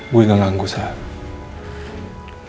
gue gak ganggu sahab